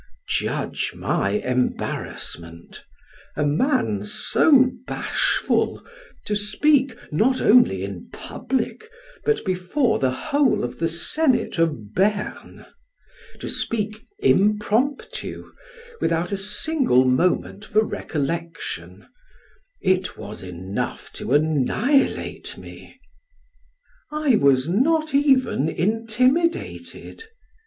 Judge my embarrassment! a man so bashful to speak, not only in public, but before the whole of the Senate of Berne! to speak impromptu, without a single moment for recollection; it was enough to annihilate me I was not even intimidated.